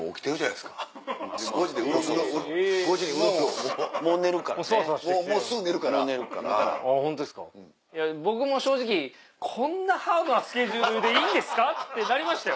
いや僕も正直こんなハードなスケジュールでいいんですか？ってなりましたよ。